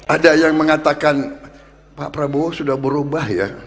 ada yang mengatakan pak prabowo sudah berubah ya